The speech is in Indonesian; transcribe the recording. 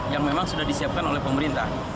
yang memang sudah disiapkan oleh pemerintah